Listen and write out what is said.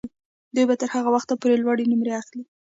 دوی به تر هغه وخته پورې لوړې نمرې اخلي.